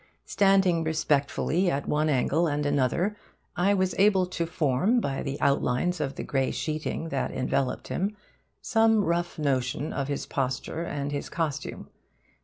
Standing respectfully at one angle and another, I was able to form, by the outlines of the grey sheeting that enveloped him, some rough notion of his posture and his costume.